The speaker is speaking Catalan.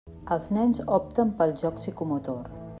Els nens opten pel joc psicomotor.